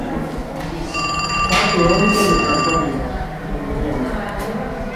Parque eólico de Sasdónigas, en Mondoñedo.